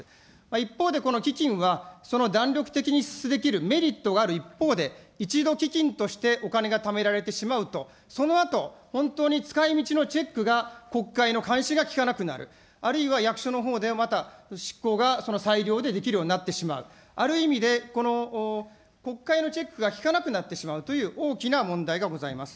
一方でこの基金は、その弾力的に支出できるメリットがある一方で、一度基金としてお金が貯められてしまうと、そのあと、本当に使いみちのチェックが、国会の監視が利かなくなる、あるいは役所のほうでまた執行が裁量でできるようになってしまう、ある意味でこの国会のチェックが効かなくなってしまうという大きな問題がございます。